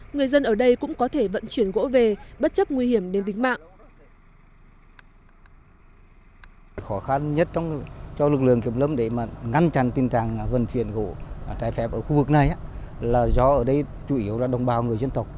người dân ở đây cũng có thể vận chuyển gỗ về bất chấp nguy hiểm đến tính mạng